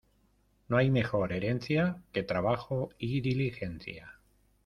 No hay mejor herencia que trabajo y diligencia.